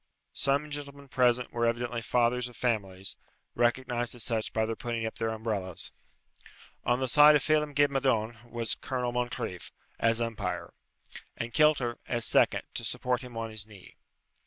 Some gentlemen present were evidently fathers of families, recognized as such by their putting up their umbrellas. On the side of Phelem ghe Madone was Colonel Moncreif, as umpire; and Kilter, as second, to support him on his knee.